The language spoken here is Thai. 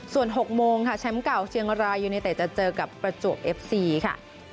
ส่วน๖โมงค่ะแชมป์เก่าเชียงรายยูเนเต็ดจะเจอกับประจวบเอฟซีค่ะ